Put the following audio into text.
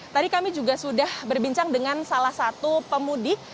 tadi kami juga sudah berbincang dengan salah satu pemudik